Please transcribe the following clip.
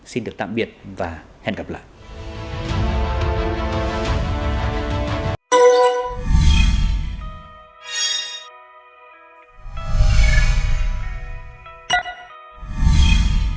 xin được tạm biệt và hẹn gặp lại